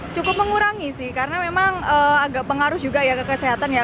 cukup mengurangi sih karena memang agak pengaruh juga ya ke kesehatan ya